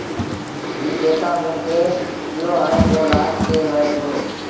اي پئيٚسآ موݩ کي ڏيو ائيٚݩ پو لآش کي وهي پورو